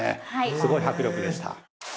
すごい迫力でした。